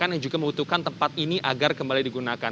yang juga membutuhkan tempat ini agar kembali digunakan